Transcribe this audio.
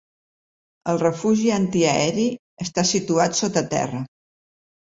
El refugi antiaeri està situat sota terra.